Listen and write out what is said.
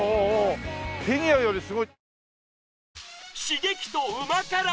フィギュアよりすごい。